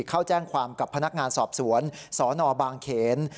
เข้าแจ้งความกับพนักงานสอบสวนสนบางเขน